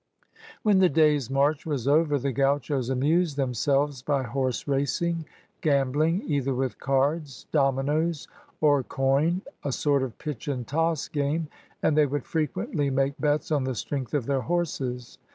"When the day's march was over the gauchos amused themselves by horse racing, gambling, either with cards, dominoes, or coin, a sort of pitch and toss game, and they would frequently make bets on the strength of their horses.